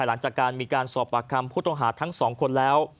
หลังจากการสอบประคำผู้ตำหรือผู้ตำหราทั้งสองคนแล้ว